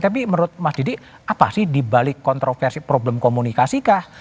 tapi menurut mas didi apa sih dibalik kontroversi problem komunikasi kah